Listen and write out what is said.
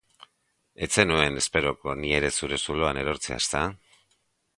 Ez zenuen esperoko ni ere zure zuloan erortzea, ezta?